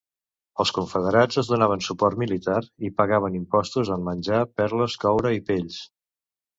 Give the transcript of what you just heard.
Els confederats es donaven suport militar i pagaven impostos en menjar, perles, coure i pells.